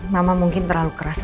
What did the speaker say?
mama mungkin terlalu kerasnya shay